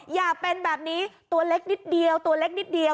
อย่าเป็นแบบนี้ตัวเล็กนิดเดียวตัวเล็กนิดเดียว